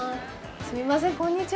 すみませんこんにちは。